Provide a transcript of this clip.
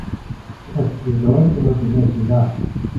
Нет, уж давайте мы туда-сюда.